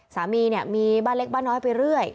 สามีเนี่ยมีบ้านเล็กบ้านน้อยไปเรื่อย